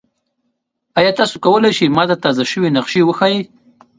ایا تاسو کولی شئ ما ته تازه شوي نقشې وښایئ؟